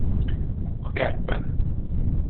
A kertben.